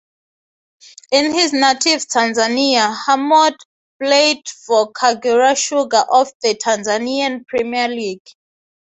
In his native Tanzania Hamoud played for Kagera Sugar of the Tanzanian Premier League.